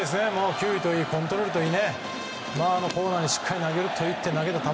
球威といいコントロールといいコーナーにしっかりと投げる球。